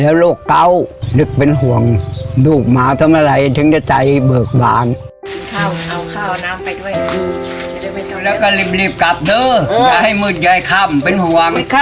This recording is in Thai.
แล้วก็รีบกลับซึ้งอย่าให้มืดอย่าให้ค่ำเป็นห่วง